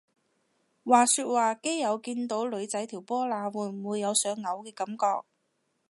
話說話基友見到女仔條波罅會唔會有想嘔嘅感覺？